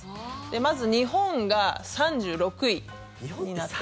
まず、日本が３６位になってます。